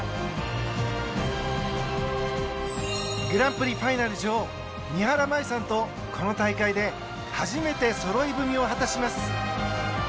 グランプリファイナル女王三原舞依さんとこの大会で初めてそろい踏みを果たします